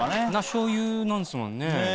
しょうゆなんですもんね？